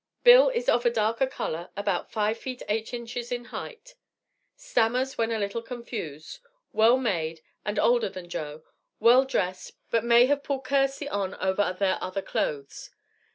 Bill is of a darker color, about 5 feet 8 inches in height, stammers a little when confused, well made, and older than Joe, well dressed, but may have pulled kearsey on over their other clothes.